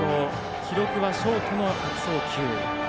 記録はショートの悪送球。